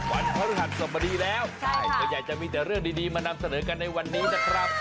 วันฮรือหันศพมาดีแล้วตัวใหญ่จะมีแต่เรื่องดีมานำเสนอกันในวันนี้นะครับ